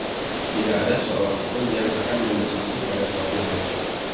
Tidak ada seorang pun yang akan mendesakku pada suatu hal.